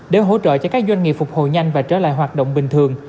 để hỗ trợ cho các doanh nghiệp phục hồi nhanh và trở lại hoạt động bình thường